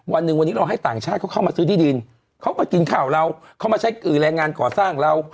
วันหนึ่งวันนี้เราให้ต่างชาติเขาเข้ามาซื้อที่ดินเขาก็กินข้าวเราเข้ามาใช้แรงงานก่อสร้างเรา